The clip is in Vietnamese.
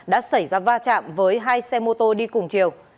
đã xảy ra va chạm với hai xe mô tô đi cùng chiều